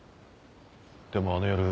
でもあの夜。